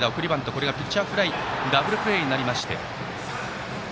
これがピッチャーフライダブルプレーになりました。